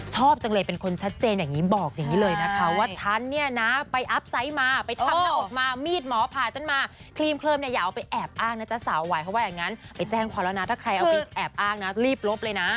ชอบจังเลยเป็นคนชัดเจนอย่างนี้บอกอย่างนี้เลยนะคะว่าฉันเนี่ยนะไปอัพไซต์มาไปทำหน้าอกมามีดหมอผ่าฉันมาครีมเคลิมเนี่ยอย่าเอาไปแอบอ้างนะจ๊ะสาวไหวเขาว่าอย่างนั้นไปแจ้งความแล้วนะถ้าใครเอาไปแอบอ้างนะรีบลบเลยนะ